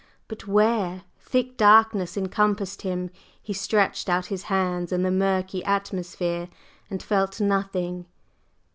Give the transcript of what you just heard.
but where? Thick darkness encompassed him; he stretched out his hands in the murky atmosphere and felt nothing.